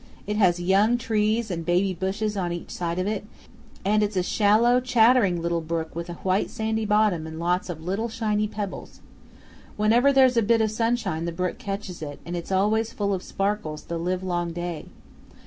It has young trees and baby bushes on each side of it, and it's a shallow chattering little brook with a white sandy bottom and lots of little shiny pebbles. Whenever there's a bit of sunshine the brook catches it, and it's always full of sparkles the livelong day.